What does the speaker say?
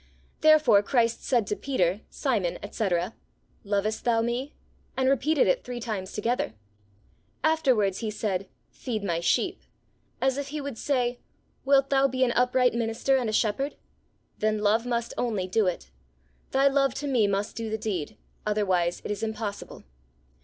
Therefore Christ said to Peter, Simon, etc., "Lovest thou me?" and repeated it three times together. Afterwards he said, "Feed my sheep," as if he would say, "Wilt thou be an upright Minister and a Shepherd? then love must only do it; thy love to me must do the deed, otherwise it is impossible."